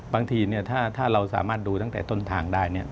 บางทีถ้าเราสามารถดูตั้งแต่ต้นทางได้